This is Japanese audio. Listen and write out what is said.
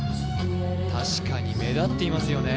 確かに目立っていますよね